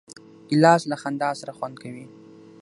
ګیلاس له خندا سره خوند کوي.